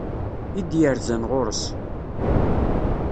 I d-yerzan ɣur-s.